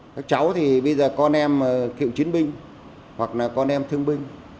các cháu thì bây giờ con em kiệu chiến binh hoặc là con em thương binh